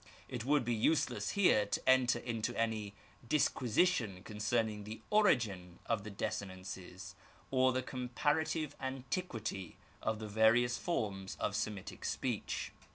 It would be useless here to enter into any disquisition concerning the origin of the desi nences, or the comparative antiquity of the various forms of Semitic speech.